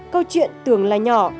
câu chuyện tưởng là nhỏ